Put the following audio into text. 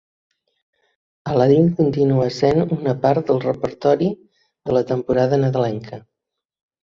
Aladdin continua sent una part del repertori de la temporada nadalenca.